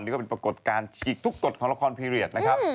นี่ก็เป็นปรากฏการณ์ฉีกทุกกฎของละครพีเรียสนะครับ